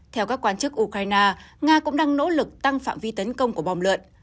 theo các quan chức ukraine nga cũng đang nỗ lực tăng phạm vi tấn công của bom lợn